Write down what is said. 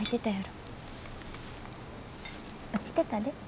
落ちてたで。